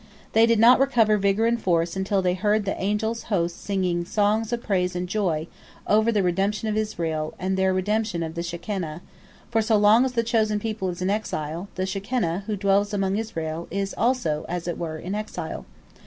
They did not recover vigor and force until they heard the angel hosts sing songs of praise and joy over the redemption of Israel and the redemption of the Shekinah, for so long as the chosen people is in exile, the Shekinah, who dwells among Israel, is also, as it were, in exile.